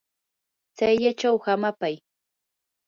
tsayllachaw hamapay.